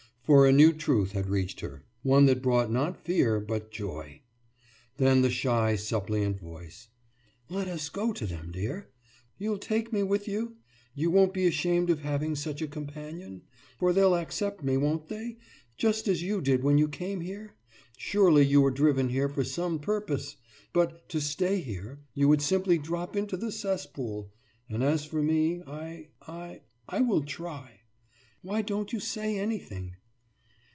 For a new truth had reached her one that brought not fear, but joy. Then the shy suppliant voice. »Let us go to them, dear? You'll take me with you? You won't be ashamed of having such a companion? For they'll accept me, won't they? Just as you did when you came here? Surely you were driven here for some purpose! But to stay here you would simply drop into the cesspool. As for me, I I I will try. Why don't you say anything?